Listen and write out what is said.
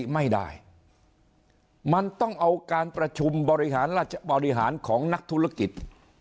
ไม่ได้มันต้องเอาการประชุมบริหารของนักธุรกิจ